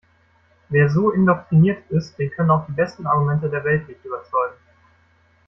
Wer so indoktriniert ist, den können auch die besten Argumente der Welt nicht überzeugen.